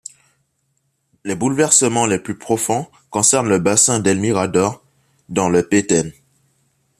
Les bouleversements les plus profonds concernent le bassin d'El Mirador dans le Petén.